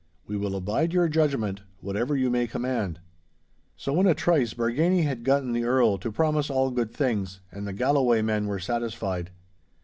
We will abide your judgment, whatever you may command.' So in a trice Bargany had gotten the Earl to promise all good things, and the Galloway men were satisfied.